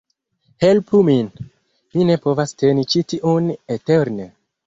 Helpu min! Mi ne povas teni ĉi tiun eterne